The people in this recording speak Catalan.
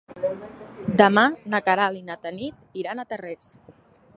Demà na Queralt i na Tanit iran a Tarrés.